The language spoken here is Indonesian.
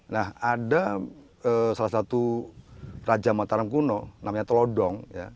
nah ada salah satu raja mataram kuno namanya telodong